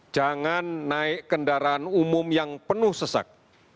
jangan naik kendaraan umum yang penuh sesak